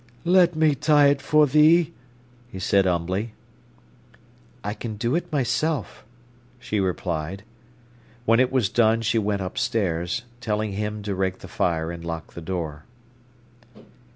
"Let me tie it for thee," he said humbly. "I can do it myself," she replied. When it was done she went upstairs, telling him to rake the fire and lock the door.